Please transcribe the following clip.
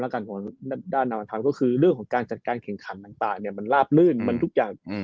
ก็คือเรื่องของการจัดการแข่งขันต่างมันราบลื่นมันทุกอย่าง